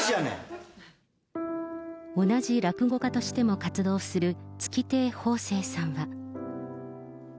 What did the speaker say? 同じ落語家としても活動する、月亭方正さんは。